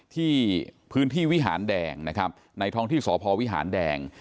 ที่พื้นที่วิหารแดงนะครับในท้องที่สพวิหารแดง